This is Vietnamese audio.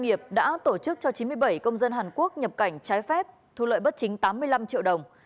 nghiệp đã tổ chức cho chín mươi bảy công dân hàn quốc nhập cảnh trái phép thu lợi bất chính tám mươi năm triệu đồng